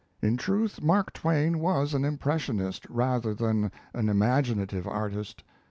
In truth, Mark Twain was an impressionist, rather than an imaginative artist.